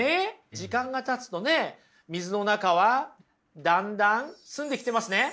時間がたつとね水の中はだんだん澄んできてますね。